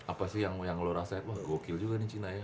apa sih yang lo rasain wah gokil juga nih cina ya